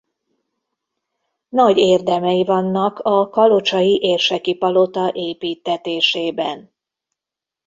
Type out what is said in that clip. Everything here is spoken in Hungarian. Nagy érdemei vannak a kalocsai érseki palota építtetésében.